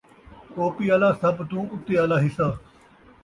ٹوپی دا سبھ تُوں اُتّے آلا حصّہ۔